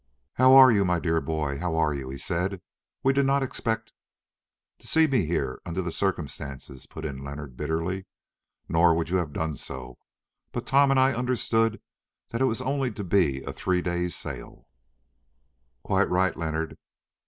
"How are you, my dear boy, how are you?" he said. "We did not expect—" "To see me here under the circumstances," put in Leonard bitterly. "Nor would you have done so, but Tom and I understood that it was only to be a three days' sale." "Quite right, Leonard.